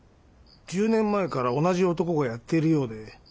１０年前から同じ男がやっているようで。